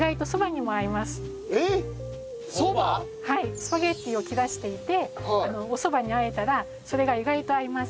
スパゲティを切らしていておそばに和えたらそれが意外と合います。